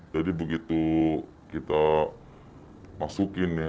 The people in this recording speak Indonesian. jadi begitu kita masukin ya